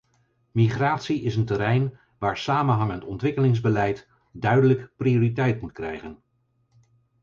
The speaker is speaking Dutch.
Migratie is een terrein waar samenhangend ontwikkelingsbeleid duidelijk prioriteit moet krijgen.